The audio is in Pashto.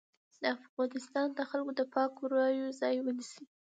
د افغانستان د خلکو د پاکو رايو ځای ونيسي.